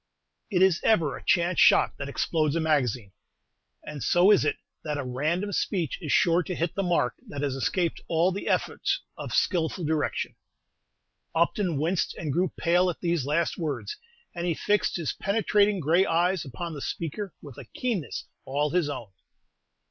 It is ever a chance shot that explodes a magazine, and so is it that a random speech is sure to hit the mark that has escaped all the efforts of skilful direction. Upton winced and grew pale at these last words, and he fixed his penetrating gray eyes upon the speaker with a keenness all his own.